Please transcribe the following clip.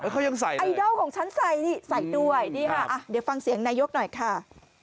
เขายังใส่ไอดอลของฉันใส่นี่ใส่ด้วยนี่ค่ะเดี๋ยวฟังเสียงนายกหน่อยค่ะ